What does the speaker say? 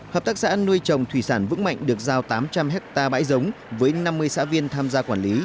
hợp tác xã nuôi trồng thủy sản vững mạnh được giao tám trăm linh hectare bãi giống với năm mươi xã viên tham gia quản lý